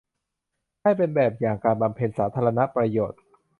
ให้เป็นแบบอย่างการบำเพ็ญสาธารณประโยชน์